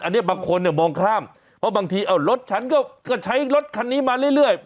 อันนี้บางคนเนี่ยมองข้ามเพราะบางทีเอารถฉันก็ใช้รถคันนี้มาเรื่อย